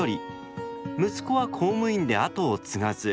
息子は公務員で後を継がず。